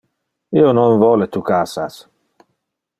Io non vole tu casas.